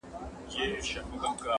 چي نې غواړم مې راوينې.